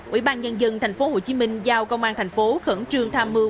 ủy ban nhân dân thành phố hồ chí minh giao công an thành phố khẩn trương tham mưu